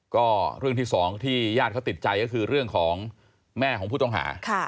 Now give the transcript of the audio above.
ก็เรื่องที่สองที่ญาติเขาติดใจก็คือเรื่องของแม่ของผู้ต้องหา